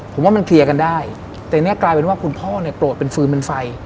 ผมว่ามันเคลียร์กันได้แต่เนี่ยกลายเป็นว่าคุณพ่อเนี่ยโกรธเป็นฟืนเป็นไฟ